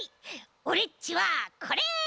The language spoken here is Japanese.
オレっちはこれ。